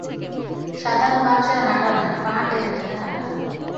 সাধারণ মানুষের হাঁটা নয়, পা টেনে টেনে হাঁটা।